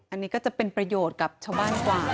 อันนี้ก็จะเป็นประโยชน์กับชาวบ้านกว่า